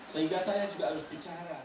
sehingga saya juga harus bicara